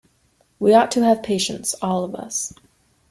We ought to have patience, all of us.